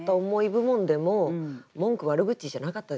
部門でも文句悪口じゃなかったですね。